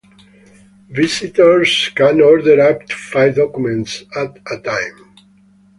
Visitors can order up to five documents at a time.